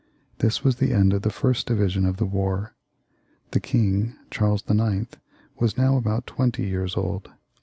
This was the end of the first division of the war. The king, Charles IX., was now about twenty years old.